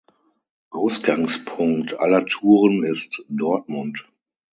Ausgangspunkt aller Touren ist Dortmund.